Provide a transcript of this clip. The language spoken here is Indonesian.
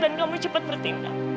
dan kamu cepat bertindak